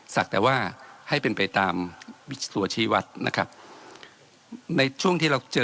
แต่ว่าให้เป็นไปตามตัวชีวัตรนะครับในช่วงที่เราเจอ